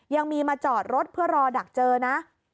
ยังมีมาจอดรถเพื่อรอดักเจอนะ